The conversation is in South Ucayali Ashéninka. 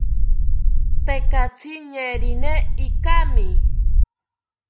Tekatzi ñeerini ikami